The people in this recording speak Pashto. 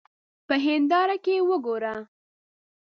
په هېنداره کې وګوره.